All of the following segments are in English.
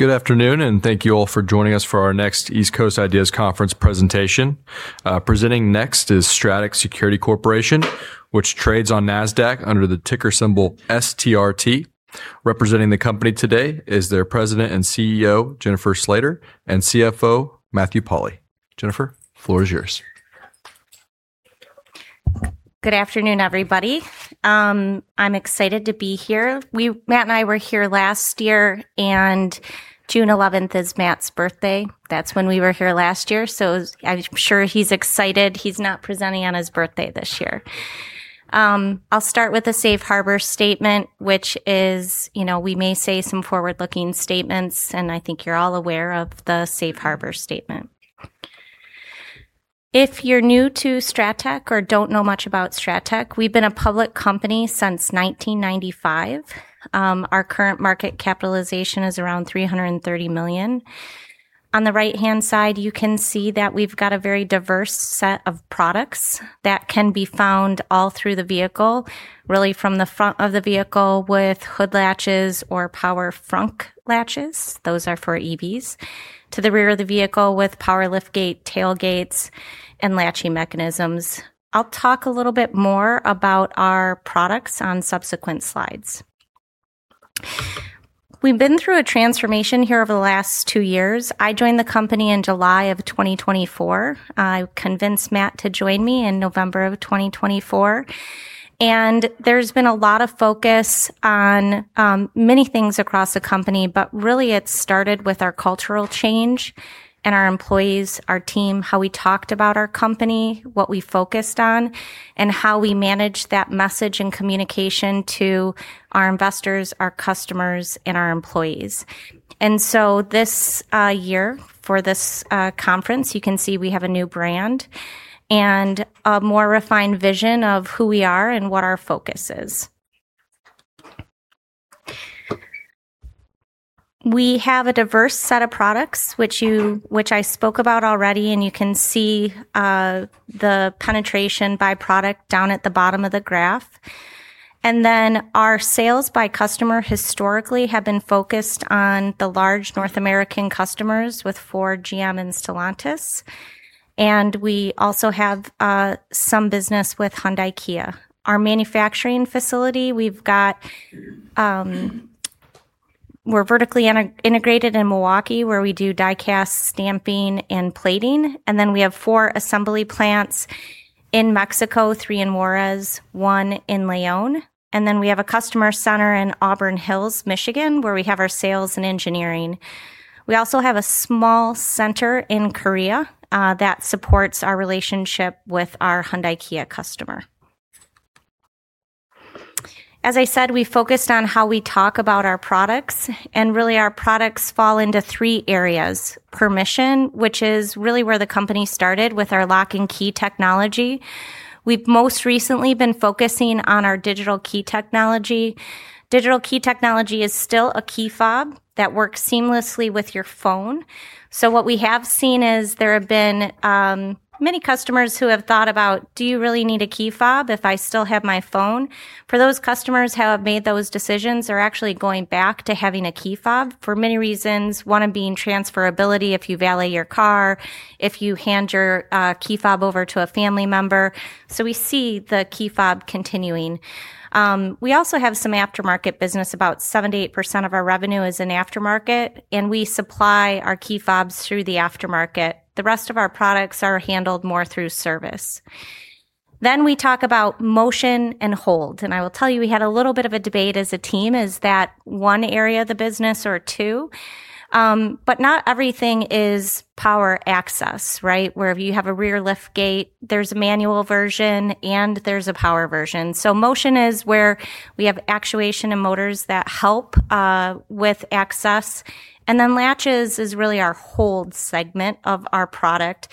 Good afternoon, thank you all for joining us for our next East Coast IDEAS Conference presentation. Presenting next is Strattec Security Corporation, which trades on NASDAQ under the ticker symbol STRT. Representing the company today is their President and CEO, Jennifer Slater, and CFO, Matthew Pauli. Jennifer, floor is yours. Good afternoon, everybody. I'm excited to be here. Matt and I were here last year, and June 11th is Matt's birthday. That's when we were here last year. I'm sure he's excited he's not presenting on his birthday this year. I'll start with a safe harbor statement, which is, we may say some forward-looking statements, and I think you're all aware of the safe harbor statement. If you're new to Strattec or don't know much about Strattec, we've been a public company since 1995. Our current market capitalization is around $330 million. On the right-hand side, you can see that we've got a very diverse set of products that can be found all through the vehicle, really from the front of the vehicle with hood latches or power frunk latches, those are for EVs, to the rear of the vehicle with power liftgate, tailgates, and latching mechanisms. I'll talk a little bit more about our products on subsequent slides. We've been through a transformation here over the last two years. I joined the company in July of 2024. I convinced Matt to join me in November of 2024. There's been a lot of focus on many things across the company, but really it started with our cultural change and our employees, our team, how we talked about our company, what we focused on, and how we managed that message and communication to our investors, our customers, and our employees. This year, for this conference, you can see we have a new brand and a more refined vision of who we are and what our focus is. We have a diverse set of products, which I spoke about already, and you can see the penetration by product down at the bottom of the graph. Our sales by customer historically have been focused on the large North American customers with Ford, GM, and Stellantis. We also have some business with Hyundai-Kia. Our manufacturing facility, we're vertically integrated in Milwaukee, where we do die-cast stamping and plating, we have four assembly plants in Mexico, three in Juarez, one in León. We have a customer center in Auburn Hills, Michigan, where we have our sales and engineering. We also have a small center in Korea that supports our relationship with our Hyundai-Kia customer. As I said, we focused on how we talk about our products, and really our products fall into three areas. Permission, which is really where the company started with our lock and key technology. We've most recently been focusing on our digital key technology. Digital key technology is still a key fob that works seamlessly with your phone. What we have seen is there have been many customers who have thought about, do you really need a key fob if I still have my phone? For those customers who have made those decisions, they're actually going back to having a key fob for many reasons, one of being transferability, if you valet your car, if you hand your key fob over to a family member. We see the key fob continuing. We also have some aftermarket business. About 70% of our revenue is in aftermarket, and we supply our key fobs through the aftermarket. The rest of our products are handled more through service. We talk about motion and hold, and I will tell you we had a little bit of a debate as a team. Is that one area of the business or two? Not everything is power access, right? Wherever you have a rear liftgate, there's a manual version and there's a power version. Motion is where we have actuation and motors that help with access. Latches is really our hold segment of our product.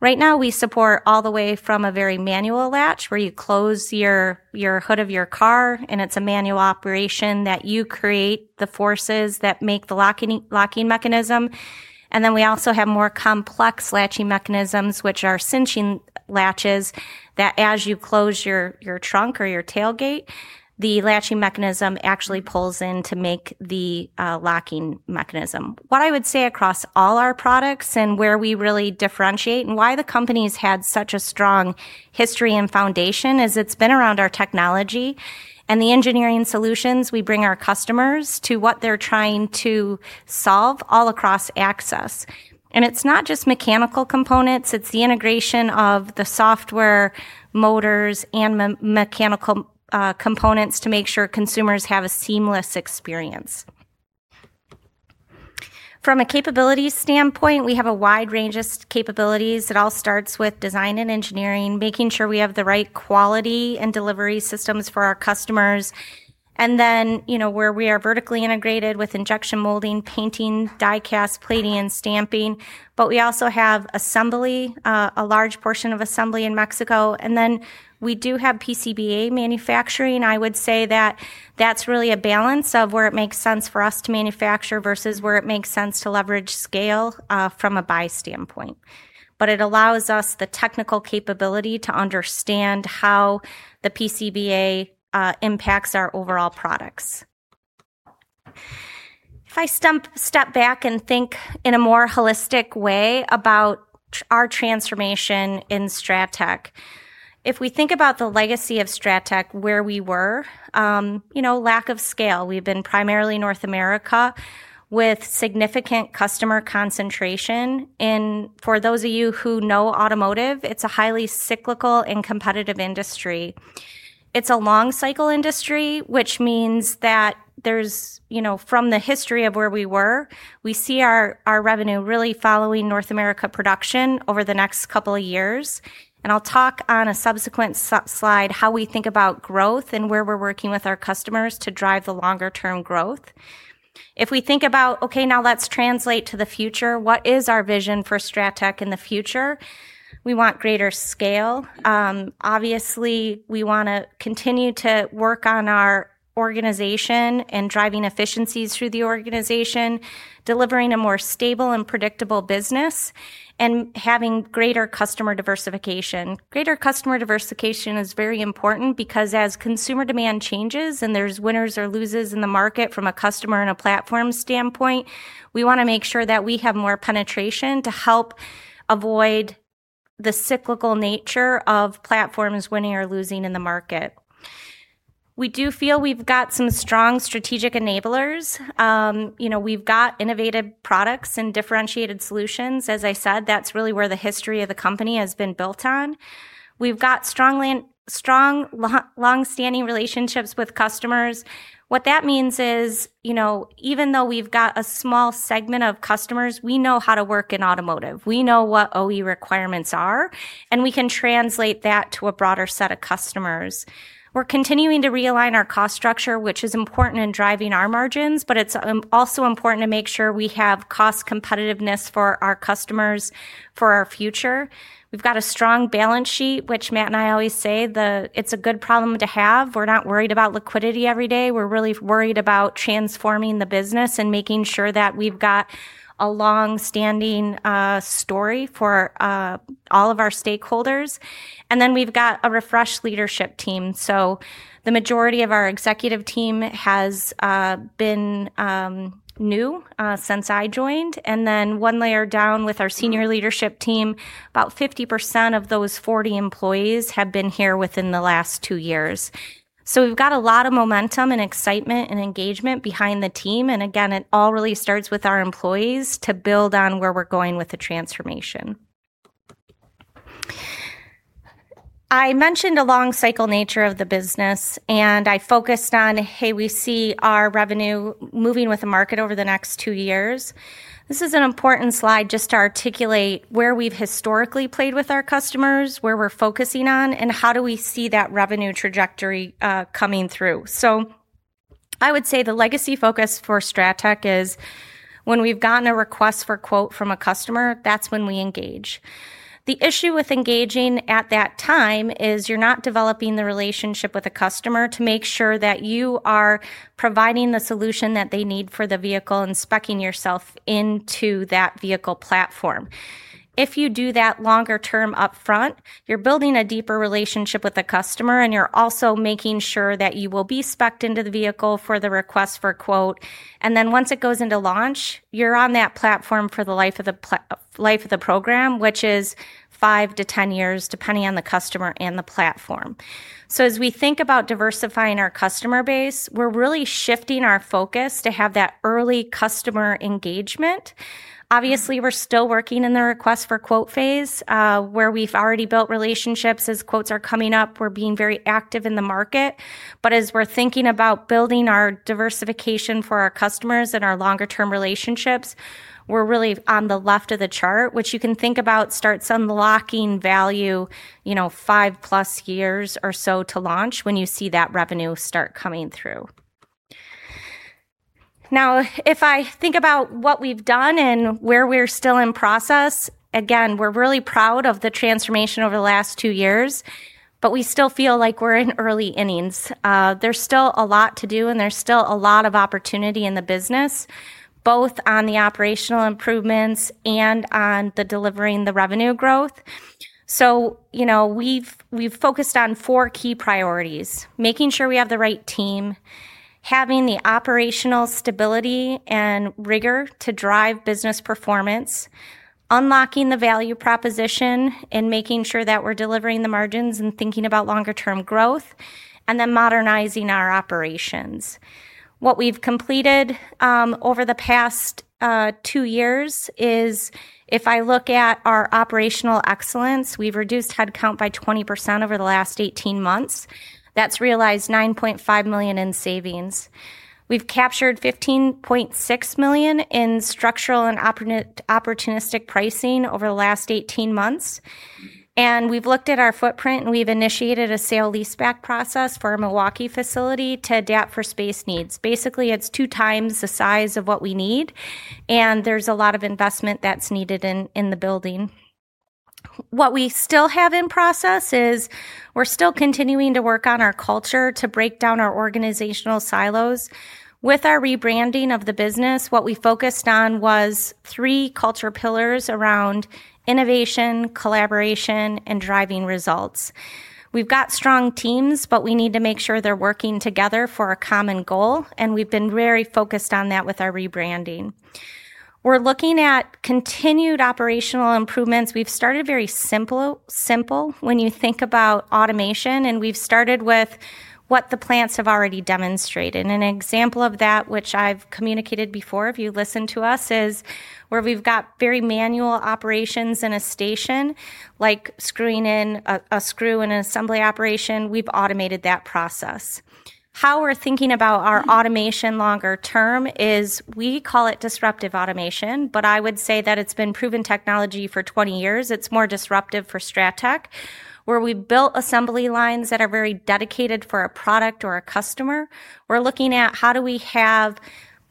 Right now, we support all the way from a very manual latch, where you close your hood of your car, and it's a manual operation that you create the forces that make the locking mechanism. We also have more complex latching mechanisms, which are cinching latches, that as you close your trunk or your tailgate, the latching mechanism actually pulls in to make the locking mechanism. What I would say across all our products and where we really differentiate and why the company's had such a strong history and foundation is it's been around our technology and the engineering solutions we bring our customers to what they're trying to solve all across access. It's not just mechanical components, it's the integration of the software, motors, and mechanical components to make sure consumers have a seamless experience. From a capabilities standpoint, we have a wide range of capabilities. It all starts with design and engineering, making sure we have the right quality and delivery systems for our customers. Where we are vertically integrated with injection molding, painting, die-cast plating, and stamping. We also have assembly, a large portion of assembly in Mexico. We do have PCBA manufacturing. I would say that that's really a balance of where it makes sense for us to manufacture versus where it makes sense to leverage scale from a buy standpoint. It allows us the technical capability to understand how the PCBA impacts our overall products. If I step back and think in a more holistic way about our transformation in Strattec. If we think about the legacy of Strattec, where we were, lack of scale. We've been primarily North America with significant customer concentration in, for those of you who know automotive, it's a highly cyclical and competitive industry. It's a long cycle industry, which means that there's, from the history of where we were, we see our revenue really following North America production over the next couple of years, and I'll talk on a subsequent slide how we think about growth and where we're working with our customers to drive the longer-term growth. If we think about, okay, now let's translate to the future, what is our vision for Strattec in the future? We want greater scale. Obviously, we want to continue to work on our organization and driving efficiencies through the organization, delivering a more stable and predictable business, and having greater customer diversification. Greater customer diversification is very important because as consumer demand changes and there's winners or losers in the market from a customer and a platform standpoint, we want to make sure that we have more penetration to help avoid the cyclical nature of platforms winning or losing in the market. We do feel we've got some strong strategic enablers. We've got innovative products and differentiated solutions. As I said, that's really where the history of the company has been built on. We've got strong, longstanding relationships with customers. What that means is, even though we've got a small segment of customers, we know how to work in automotive. We know what OE requirements are, and we can translate that to a broader set of customers. We're continuing to realign our cost structure, which is important in driving our margins, but it's also important to make sure we have cost competitiveness for our customers for our future. We've got a strong balance sheet, which Matt and I always say it's a good problem to have. We're not worried about liquidity every day. We're really worried about transforming the business and making sure that we've got a longstanding story for all of our stakeholders. We've got a refreshed leadership team. The majority of our executive team has been new since I joined. One layer down with our senior leadership team, about 50% of those 40 employees have been here within the last two years. We've got a lot of momentum and excitement and engagement behind the team. It all really starts with our employees to build on where we're going with the transformation. I mentioned a long cycle nature of the business, and I focused on, hey, we see our revenue moving with the market over the next two years. This is an important slide just to articulate where we've historically played with our customers, where we're focusing on, and how do we see that revenue trajectory coming through. I would say the legacy focus for Strattec is when we've gotten a request for quote from a customer, that's when we engage. The issue with engaging at that time is you're not developing the relationship with a customer to make sure that you are providing the solution that they need for the vehicle and speccing yourself into that vehicle platform. If you do that longer term up front, you're building a deeper relationship with the customer, and you're also making sure that you will be specced into the vehicle for the request for quote. Then once it goes into launch, you're on that platform for the life of the program, which is five to 10 years, depending on the customer and the platform. As we think about diversifying our customer base, we're really shifting our focus to have that early customer engagement. Obviously, we're still working in the request for quote phase, where we've already built relationships. As quotes are coming up, we're being very active in the market. As we're thinking about building our diversification for our customers and our longer-term relationships, we're really on the left of the chart, which you can think about starts unlocking value, five-plus years or so to launch when you see that revenue start coming through. Now, if I think about what we've done and where we're still in process, again, we're really proud of the transformation over the last two years, but we still feel like we're in early innings. There's still a lot to do, and there's still a lot of opportunity in the business, both on the operational improvements and on the delivering the revenue growth. We've focused on four key priorities. Making sure we have the right team, having the operational stability and rigor to drive business performance, unlocking the value proposition and making sure that we're delivering the margins and thinking about longer-term growth, and then modernizing our operations. What we've completed over the past two years is if I look at our operational excellence, we've reduced headcount by 20% over the last 18 months. That's realized $9.5 million in savings. We've captured $15.6 million in structural and opportunistic pricing over the last 18 months. We've looked at our footprint, and we've initiated a sale leaseback process for our Milwaukee facility to adapt for space needs. Basically, it's two times the size of what we need, and there's a lot of investment that's needed in the building. What we still have in process is we're still continuing to work on our culture to break down our organizational silos. With our rebranding of the business, what we focused on was three culture pillars around innovation, collaboration, and driving results. We've got strong teams, but we need to make sure they're working together for a common goal, and we've been very focused on that with our rebranding. We're looking at continued operational improvements. We've started very simple when you think about automation, and we've started with what the plants have already demonstrated. An example of that, which I've communicated before if you listen to us, is where we've got very manual operations in a station, like screwing in a screw in an assembly operation, we've automated that process. How we're thinking about our automation longer term is we call it disruptive automation, but I would say that it's been proven technology for 20 years. It's more disruptive for Strattec, where we've built assembly lines that are very dedicated for a product or a customer. We're looking at how do we have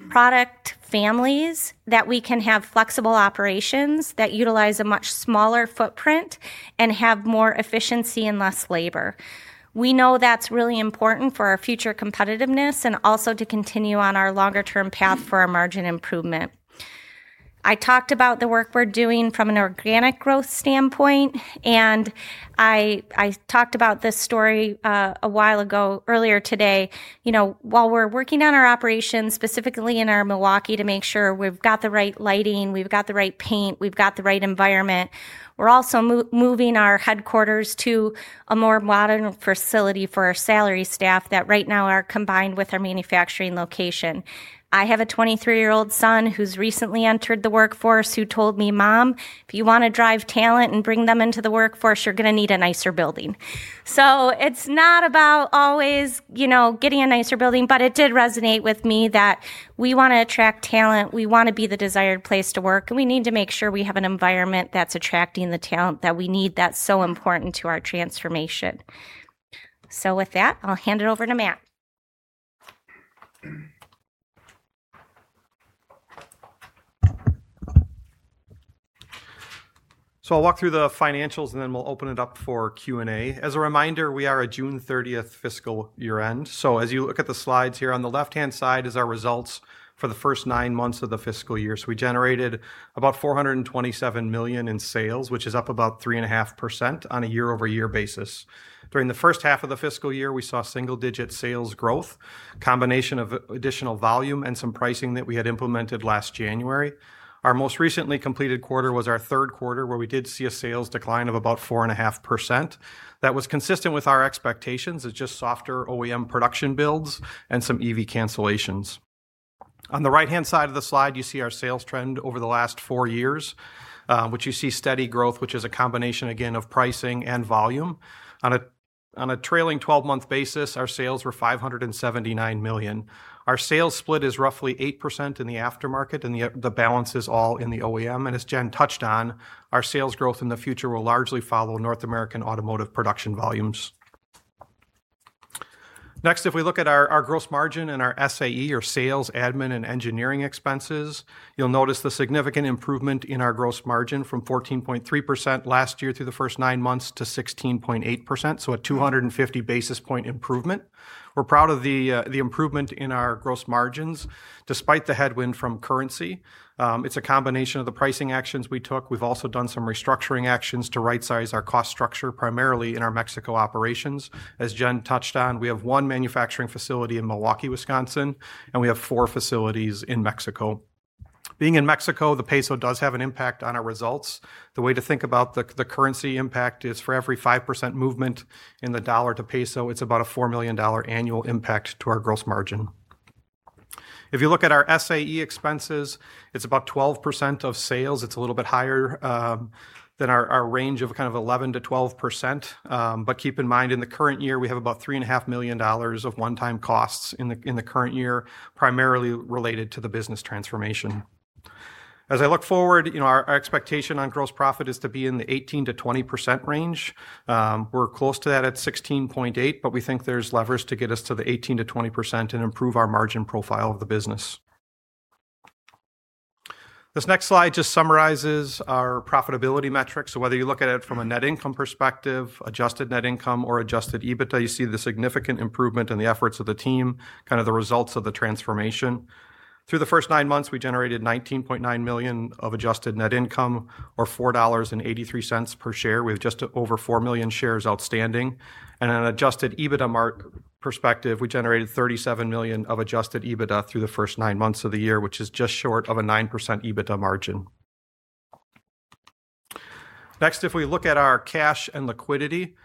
product families that we can have flexible operations that utilize a much smaller footprint and have more efficiency and less labor. We know that's really important for our future competitiveness and also to continue on our longer term path for our margin improvement. I talked about the work we're doing from an organic growth standpoint, and I talked about this story a while ago earlier today. While we're working on our operations, specifically in our Milwaukee, to make sure we've got the right lighting, we've got the right paint, we've got the right environment, we're also moving our headquarters to a more modern facility for our salary staff that right now are combined with our manufacturing location. I have a 23-year-old son who's recently entered the workforce who told me, "Mom, if you want to drive talent and bring them into the workforce, you're going to need a nicer building." It's not about always getting a nicer building, but it did resonate with me that we want to attract talent, we want to be the desired place to work, and we need to make sure we have an environment that's attracting the talent that we need that's so important to our transformation. With that, I'll hand it over to Matt. I'll walk through the financials and then we'll open it up for Q&A. As a reminder, we are a June 30th fiscal year end. As you look at the slides here, on the left-hand side is our results for the first nine months of the fiscal year. We generated about $427 million in sales, which is up about 3.5% on a year-over-year basis. During the first half of the fiscal year, we saw single digit sales growth, combination of additional volume and some pricing that we had implemented last January. Our most recently completed quarter was our third quarter, where we did see a sales decline of about 4.5%. That was consistent with our expectations. It's just softer OEM production builds and some EV cancellations. On the right-hand side of the slide, you see our sales trend over the last four years, which you see steady growth, which is a combination, again, of pricing and volume. On a trailing 12-month basis, our sales were $579 million. Our sales split is roughly 8% in the aftermarket, and the balance is all in the OEM. As Jenn touched on, our sales growth in the future will largely follow North American automotive production volumes. Next, if we look at our gross margin and our SAE or sales, admin, and engineering expenses, you'll notice the significant improvement in our gross margin from 14.3% last year through the first nine months to 16.8%, a 250 basis point improvement. We're proud of the improvement in our gross margins, despite the headwind from currency. It's a combination of the pricing actions we took. We've also done some restructuring actions to rightsize our cost structure, primarily in our Mexico operations. As Jenn touched on, we have one manufacturing facility in Milwaukee, Wisconsin, and we have four facilities in Mexico. Being in Mexico, the peso does have an impact on our results. The way to think about the currency impact is for every 5% movement in the dollar to peso, it's about a $4 million annual impact to our gross margin. If you look at our SAE expenses, it's about 12% of sales. It's a little bit higher than our range of 11%-12%. Keep in mind, in the current year, we have about $3.5 million of one-time costs in the current year, primarily related to the business transformation. As I look forward, our expectation on gross profit is to be in the 18%-20% range. We're close to that at 16.8%, but we think there's levers to get us to the 18%-20% and improve our margin profile of the business. Whether you look at it from a net income perspective, adjusted net income, or adjusted EBITDA, you see the significant improvement in the efforts of the team, the results of the transformation. Through the first nine months, we generated $19.9 million of adjusted net income or $4.83 per share. We have just over 4 million shares outstanding. An adjusted EBITDA perspective, we generated $37 million of adjusted EBITDA through the first nine months of the year, which is just short of a 9% EBITDA margin. If we look at our cash and liquidity,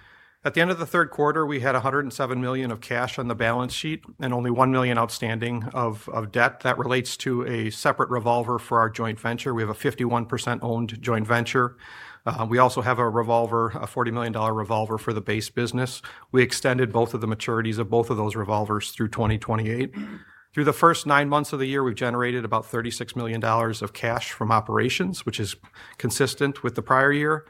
at the end of the third quarter, we had $107 million of cash on the balance sheet and only $1 million outstanding of debt. That relates to a separate revolver for our joint venture. We have a 51%-owned joint venture. We also have a revolver, a $40 million revolver for the base business. We extended both of the maturities of both of those revolvers through 2028. Through the first nine months of the year, we've generated about $36 million of cash from operations, which is consistent with the prior year.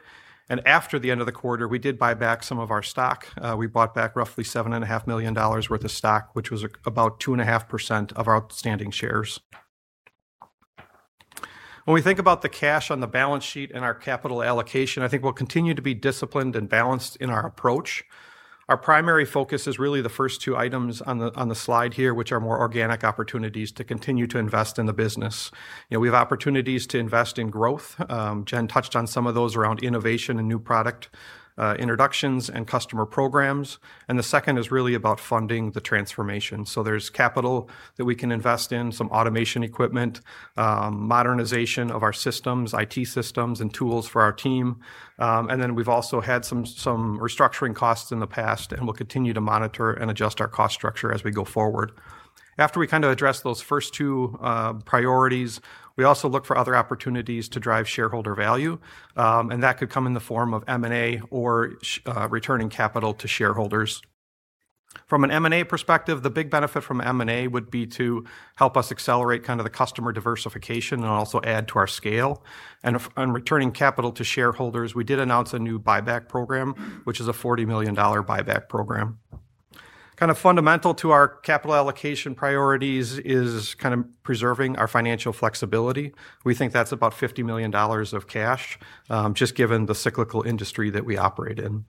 After the end of the quarter, we did buy back some of our stock. We bought back roughly $7.5 million worth of stock, which was about 2.5% of our outstanding shares. When we think about the cash on the balance sheet and our capital allocation, I think we'll continue to be disciplined and balanced in our approach. Our primary focus is really the first two items on the slide here, which are more organic opportunities to continue to invest in the business. We have opportunities to invest in growth. Jenn touched on some of those around innovation and new product introductions and customer programs. The second is really about funding the transformation. There's capital that we can invest in some automation equipment, modernization of our systems, IT systems, and tools for our team. We've also had some restructuring costs in the past, and we'll continue to monitor and adjust our cost structure as we go forward. After we address those first two priorities, we also look for other opportunities to drive shareholder value, that could come in the form of M&A or returning capital to shareholders. From an M&A perspective, the big benefit from M&A would be to help us accelerate the customer diversification and also add to our scale. On returning capital to shareholders, we did announce a new buyback program, which is a $40 million buyback program. Fundamental to our capital allocation priorities is preserving our financial flexibility. We think that's about $50 million of cash, just given the cyclical industry that we operate in.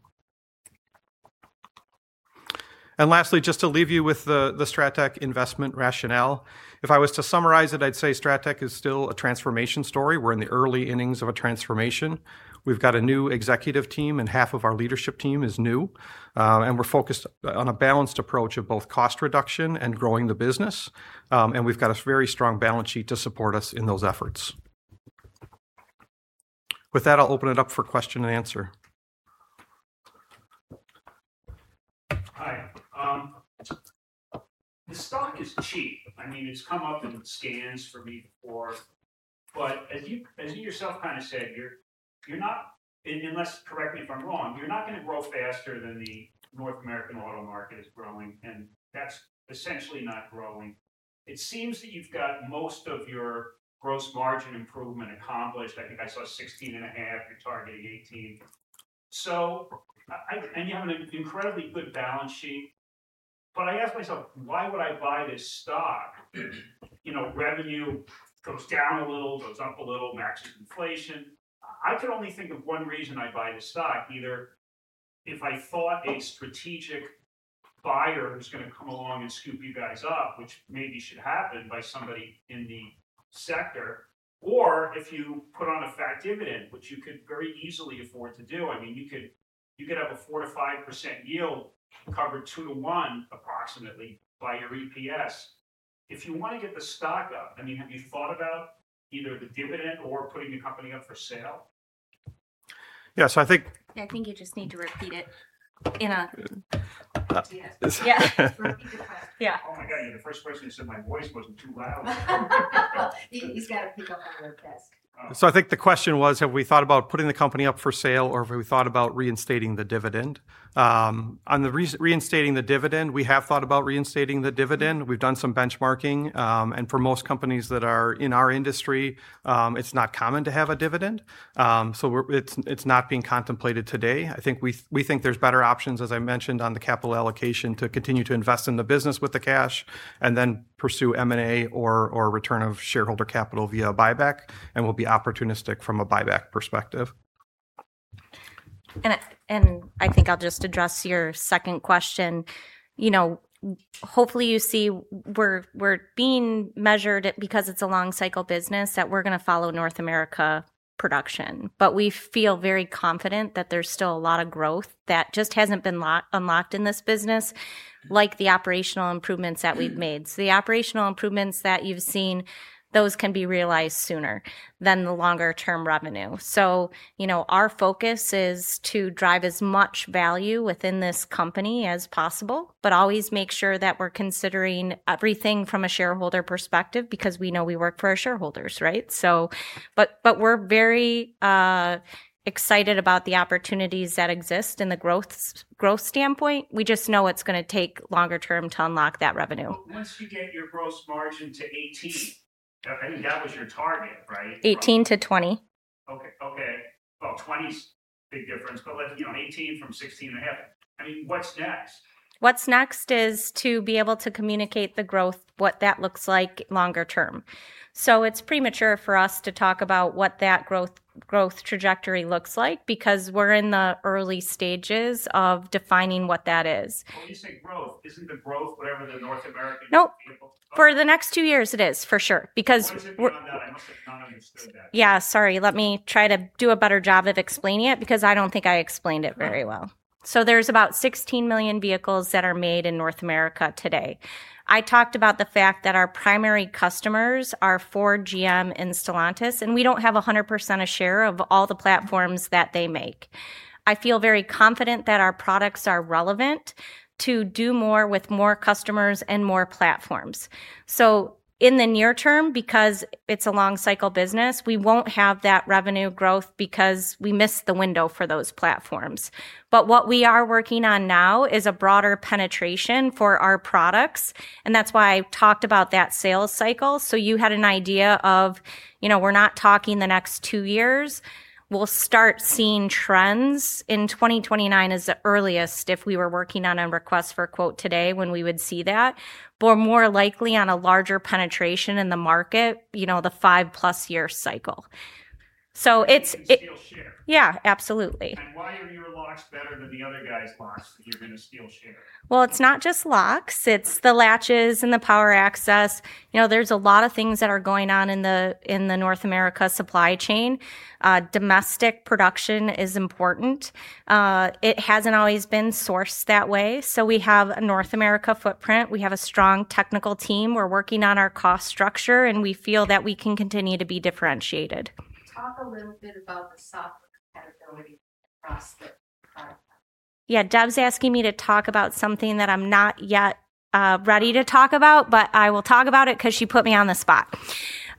Lastly, just to leave you with the Strattec investment rationale. If I was to summarize it, I'd say Strattec is still a transformation story. We're in the early innings of a transformation. We've got a new executive team, and half of our leadership team is new. We're focused on a balanced approach of both cost reduction and growing the business. We've got a very strong balance sheet to support us in those efforts. With that, I'll open it up for question-and-answer. Hi. The stock is cheap. It's come up and it scans for me before, but as you yourself said, unless, correct me if I'm wrong, you're not going to grow faster than the North American auto market is growing, and that's essentially not growing. It seems that you've got most of your gross margin improvement accomplished. I think I saw 16.5%, you're targeting 18%. You have an incredibly good balance sheet, but I ask myself, "Why would I buy this stock?" Revenue goes down a little, goes up a little, matches inflation. I can only think of one reason I'd buy this stock, either if I thought a strategic buyer was going to come along and scoop you guys up, which maybe should happen by somebody in the sector, or if you put on a fat dividend, which you could very easily afford to do. You could have a 4%-5% yield covered two to one approximately by your EPS. If you want to get the stock up, have you thought about either the dividend or putting the company up for sale? Yes. I think you just need to repeat it in a- Yeah. Oh my God, yeah, the first question said my voice wasn't too loud. He's got to pick up a lower desk. I think the question was, have we thought about putting the company up for sale or have we thought about reinstating the dividend? On the reinstating the dividend, we have thought about reinstating the dividend. We've done some benchmarking. For most companies that are in our industry, it's not common to have a dividend. It's not being contemplated today. We think there's better options, as I mentioned, on the capital allocation to continue to invest in the business with the cash and then pursue M&A or return of shareholder capital via buyback, and we'll be opportunistic from a buyback perspective. I think I'll just address your second question. Hopefully you see we're being measured, because it's a long cycle business, that we're going to follow North America production. We feel very confident that there's still a lot of growth that just hasn't been unlocked in this business, like the operational improvements that we've made. The operational improvements that you've seen, those can be realized sooner than the longer-term revenue. Our focus is to drive as much value within this company as possible, but always make sure that we're considering everything from a shareholder perspective because we know we work for our shareholders, right? We're very excited about the opportunities that exist in the growth standpoint. We just know it's going to take longer term to unlock that revenue. Once you get your gross margin to 18, I think that was your target, right? 18-20. Okay. Well, 20's a big difference, but 18 from 16.5. What's next? What's next is to be able to communicate the growth, what that looks like longer term. It's premature for us to talk about what that growth trajectory looks like because we're in the early stages of defining what that is. When you say growth, isn't the growth whatever the North American- No. For the next two years it is, for sure, because we're- What is it beyond that? I must have not understood that. Yeah, sorry. Let me try to do a better job of explaining it, because I don't think I explained it very well. There's about 16 million vehicles that are made in North America today. I talked about the fact that our primary customers are Ford, GM, and Stellantis, and we don't have 100% of share of all the platforms that they make. I feel very confident that our products are relevant to do more with more customers and more platforms. In the near term, because it's a long cycle business, we won't have that revenue growth because we missed the window for those platforms. What we are working on now is a broader penetration for our products, and that's why I talked about that sales cycle. You had an idea of we're not talking the next two years. We'll start seeing trends in 2029 as the earliest if we were working on a request for a quote today when we would see that. More likely on a larger penetration in the market, the five-plus year cycle. You can still share. Yeah, absolutely. Why are you locks better than the other guy's locks that you're going to steal share? Well, it's not just locks, it's the latches and the power access. There's a lot of things that are going on in the North America supply chain. Domestic production is important. It hasn't always been sourced that way. We have a North America footprint. We have a strong technical team. We're working on our cost structure, and we feel that we can continue to be differentiated. Talk a little bit about the software compatibility across the platforms. Yeah, Deb's asking me to talk about something that I'm not yet ready to talk about, but I will talk about it because she put me on the spot.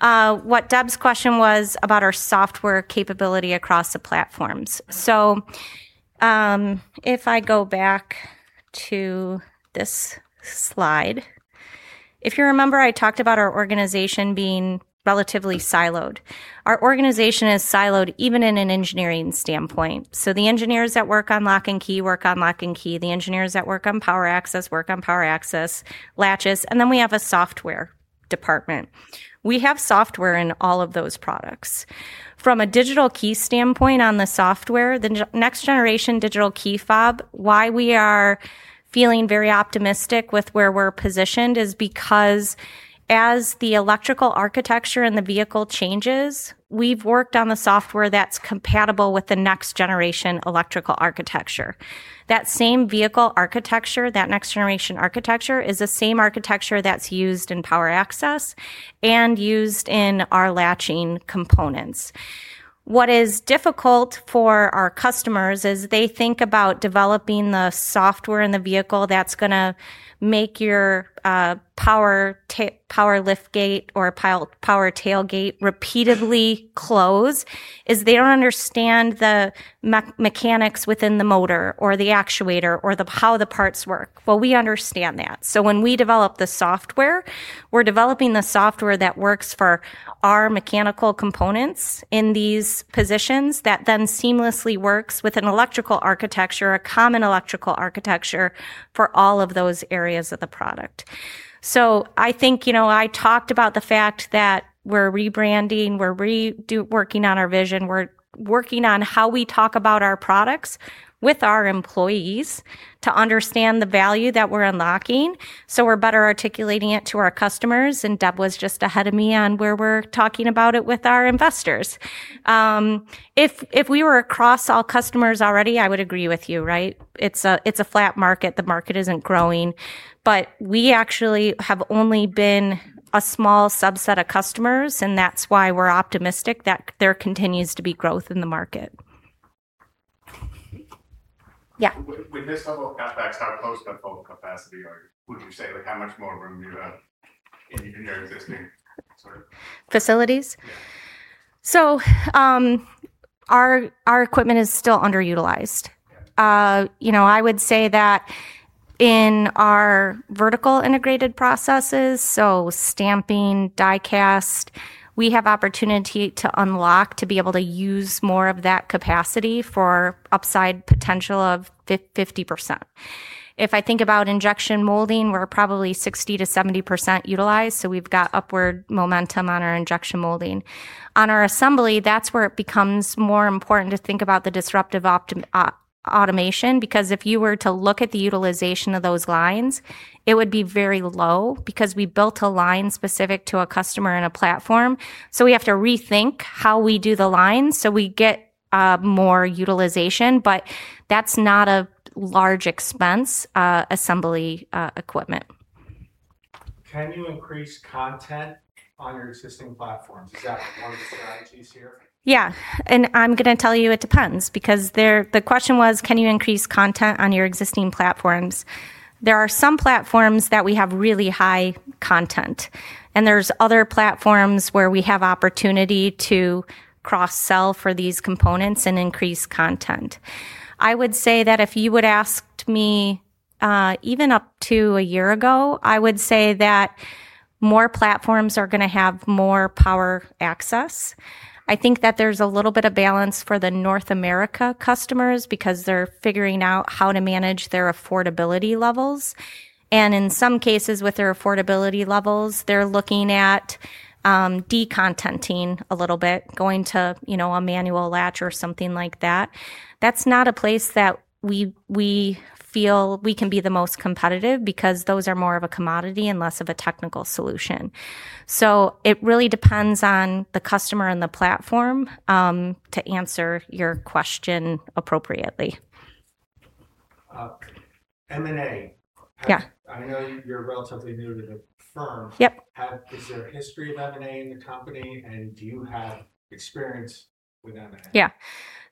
Deb's question was about our software capability across the platforms. If I go back to this slide. If you remember, I talked about our organization being relatively siloed. Our organization is siloed even in an engineering standpoint. The engineers that work on lock and key work on lock and key, the engineers that work on power access work on power access latches, and then we have a software department. We have software in all of those products. From a digital key standpoint on the software, the next generation digital key fob, why we are feeling very optimistic with where we're positioned is because as the electrical architecture in the vehicle changes, we've worked on the software that's compatible with the next generation electrical architecture. That same vehicle architecture, that next generation architecture, is the same architecture that's used in power access and used in our latching components. What is difficult for our customers is they think about developing the software in the vehicle that's going to make your power liftgate or power tailgate repeatedly close, is they don't understand the mechanics within the motor or the actuator or how the parts work. Well, we understand that. When we develop the software, we're developing the software that works for our mechanical components in these positions that then seamlessly works with an electrical architecture, a common electrical architecture for all of those areas of the product. I think, I talked about the fact that we're rebranding, we're working on our vision, we're working on how we talk about our products with our employees to understand the value that we're unlocking so we're better articulating it to our customers, and Deb was just ahead of me on where we're talking about it with our investors. If we were across all customers already, I would agree with you. It's a flat market. The market isn't growing. We actually have only been a small subset of customers, and that's why we're optimistic that there continues to be growth in the market. Yeah. With this level of CapEx, how close to full capacity are you, would you say? How much more room do you have in your existing? Facilities? Yeah. Our equipment is still underutilized. Yeah. I would say that in our vertical integrated processes, stamping, die-cast, we have opportunity to unlock to be able to use more of that capacity for upside potential of 50%. If I think about injection molding, we're probably 60%-70% utilized, we've got upward momentum on our injection molding. On our assembly, that's where it becomes more important to think about the disruptive automation, because if you were to look at the utilization of those lines, it would be very low because we built a line specific to a customer and a platform. We have to rethink how we do the line so we get more utilization, but that's not a large expense, assembly equipment. Can you increase content on your existing platforms? Is that one of the strategies here? Yeah. I'm going to tell you it depends, because the question was, can you increase content on your existing platforms? There are some platforms that we have really high content. There's other platforms where we have opportunity to cross-sell for these components and increase content. I would say that if you would asked me, even up to a year ago, I would say that more platforms are going to have more power access. I think that there's a little bit of balance for the North America customers because they're figuring out how to manage their affordability levels. In some cases with their affordability levels, they're looking at de-contenting a little bit, going to a manual latch or something like that. That's not a place that we feel we can be the most competitive because those are more of a commodity and less of a technical solution. It really depends on the customer and the platform, to answer your question appropriately. M&A. Yeah. I know you're relatively new to the firm. Yep. Is there a history of M&A in the company, and do you have experience with M&A? Yeah.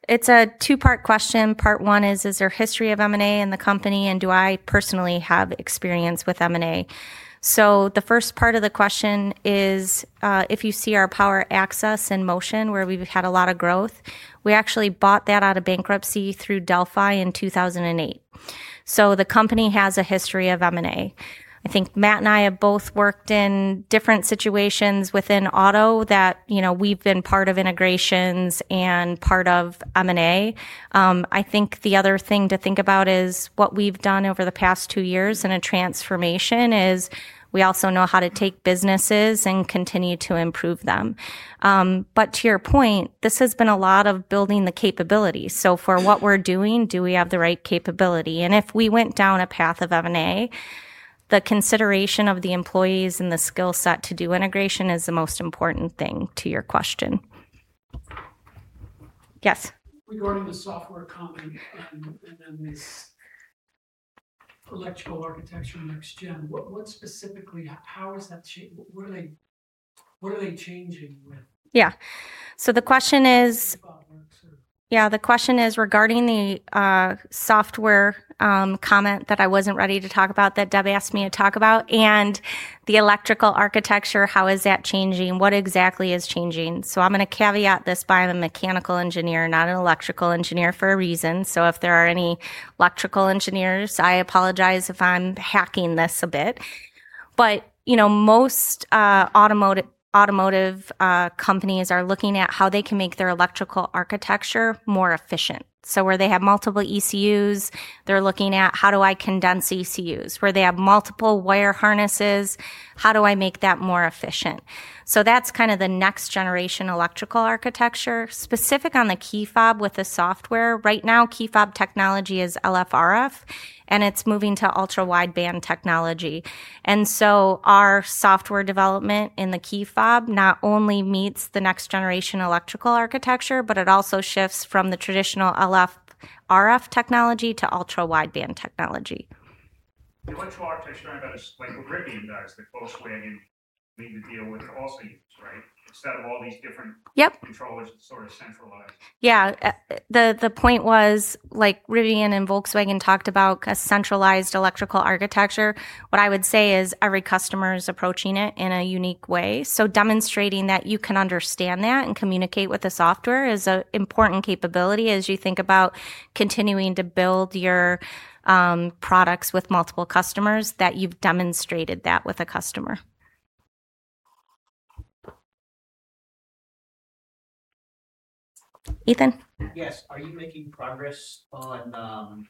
It's a two-part question. Part one is there history of M&A in the company, and do I personally have experience with M&A? The first part of the question is, if you see our power access in motion where we've had a lot of growth, we actually bought that out of bankruptcy through Delphi in 2008. The company has a history of M&A. I think Matt and I have both worked in different situations within auto that we've been part of integrations and part of M&A. I think the other thing to think about is what we've done over the past two years in a transformation is we also know how to take businesses and continue to improve them. To your point, this has been a lot of building the capability. For what we're doing, do we have the right capability? If we went down a path of M&A. The consideration of the employees and the skill set to do integration is the most important thing to your question. Yes? Regarding the software comment and this electrical architecture next gen, what specifically, what are they changing with? Yeah. The question is. The key fob. Yeah, the question is regarding the software comment that I wasn't ready to talk about that Deb asked me to talk about, and the electrical architecture, how is that changing? What exactly is changing? I'm going to caveat this by I'm a mechanical engineer, not an electrical engineer for a reason. If there are any electrical engineers, I apologize if I'm hacking this a bit. Most automotive companies are looking at how they can make their electrical architecture more efficient. Where they have multiple ECUs, they're looking at, how do I condense ECUs? Where they have multiple wire harnesses, how do I make that more efficient? That's kind of the next generation electrical architecture. Specific on the key fob with the software, right now, key fob technology is LF/RF, and it's moving to Ultra-Wideband technology. Our software development in the key fob not only meets the next generation electrical architecture, but it also shifts from the traditional LF/RF technology to Ultra-Wideband technology. The electrical architecture, I bet it's like what Rivian does, that Volkswagen need to deal with also use, right? Yep controllers, it's sort of centralized. Yeah. The point was, like Rivian and Volkswagen talked about a centralized electrical architecture. What I would say is every customer is approaching it in a unique way. Demonstrating that you can understand that and communicate with the software is an important capability as you think about continuing to build your products with multiple customers, that you've demonstrated that with a customer. Ethan? Yes. Are you making progress on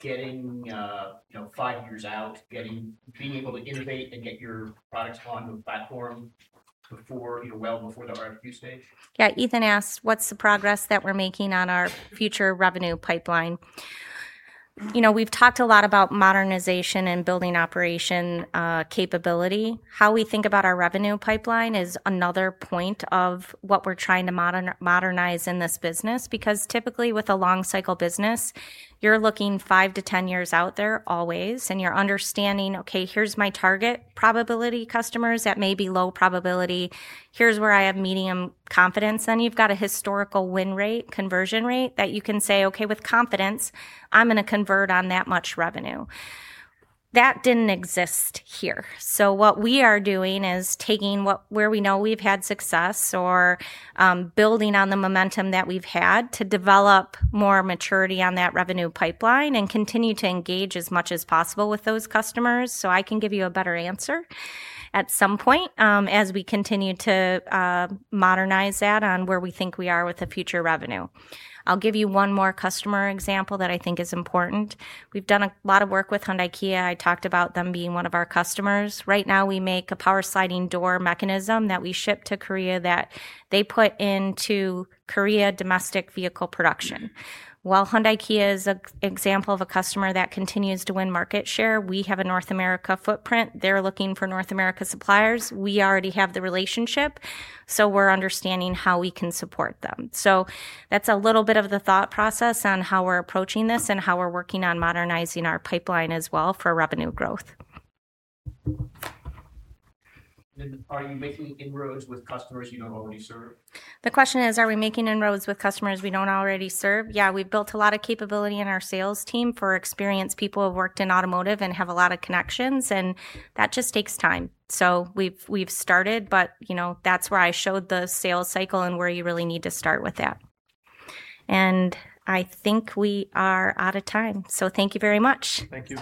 getting five years out, being able to innovate and get your products on the platform well before the RFQ stage? Yeah. Ethan asked, what's the progress that we're making on our future revenue pipeline? We've talked a lot about modernization and building operation capability. How we think about our revenue pipeline is another point of what we're trying to modernize in this business. Typically with a long cycle business, you're looking five to 10 years out there always, and you're understanding, okay, here's my target probability customers that may be low probability, here's where I have medium confidence. You've got a historical win rate, conversion rate, that you can say, okay, with confidence, I'm going to convert on that much revenue. That didn't exist here. What we are doing is taking where we know we've had success or building on the momentum that we've had to develop more maturity on that revenue pipeline and continue to engage as much as possible with those customers. I can give you a better answer at some point as we continue to modernize that on where we think we are with the future revenue. I'll give you one more customer example that I think is important. We've done a lot of work with Hyundai-Kia. I talked about them being one of our customers. Right now, we make a power sliding door mechanism that we ship to Korea that they put into Korea domestic vehicle production. While Hyundai-Kia is an example of a customer that continues to win market share, we have a North America footprint. They're looking for North America suppliers. We already have the relationship. We're understanding how we can support them. That's a little bit of the thought process on how we're approaching this and how we're working on modernizing our pipeline as well for revenue growth. Are you making inroads with customers you don't already serve? The question is, are we making inroads with customers we don't already serve? Yeah, we've built a lot of capability in our sales team for experienced people who have worked in automotive and have a lot of connections, and that just takes time. We've started, that's where I showed the sales cycle and where you really need to start with that. I think we are out of time. Thank you very much. Thank you.